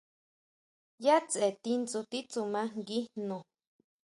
¿ʼYá tseʼe tindsu titsuma ngui jno?